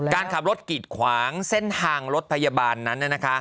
การขับรถกิดขวางเส้นทางรถพยาบาลนั้น